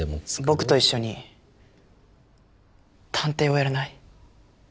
僕と一緒に探偵をやらない？